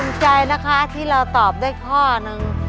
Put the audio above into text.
ใจนะคะที่เราตอบได้ข้อนึง